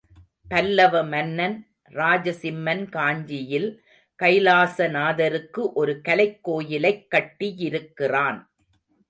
பல்லவ மன்னன் ராஜசிம்மன் காஞ்சியில் கைலாச நாதருக்கு ஒரு கலைக் கோயிலைக் கட்டியிருக்கிறான்.